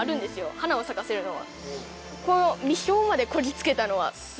花を咲かせるのは。